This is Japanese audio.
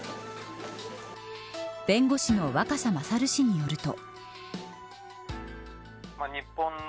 弁護士の若狭勝氏によると。